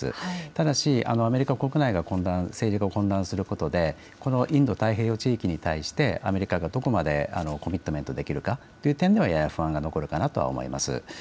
ただしアメリカ国内が混乱することでインド太平洋地域に対してアメリカがどこまでコミットメントできるかという点ではやや不安が残るかなと思います。